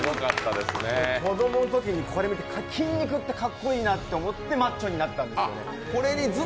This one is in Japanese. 子供のときにこれ見て、筋肉ってかっこいいなと思ってマッチョになったんですよね。